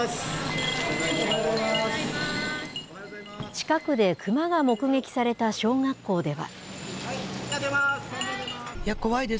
近くでクマが目撃された小学校では。